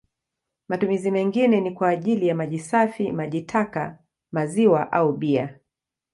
Matumizi mengine ni kwa ajili ya maji safi, maji taka, maziwa au bia.